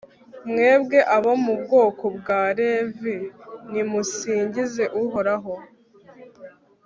mwebwe abo mu bwoko bwa levi, nimusingize uhoraho